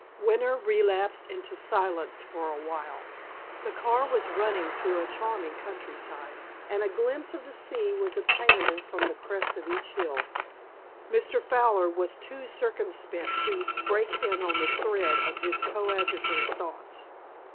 Winter relapsed into silence for a while. The car was running through a charming countryside, and a glimpse of the sea was obtainable from the crest of each hill. Mr. Fowler was too circumspect to break in on the thread of his coadjutor's thoughts.